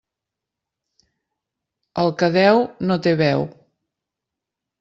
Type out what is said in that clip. El que deu no té veu.